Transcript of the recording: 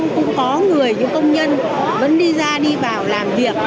cũng có người những công nhân vẫn đi ra đi vào làm việc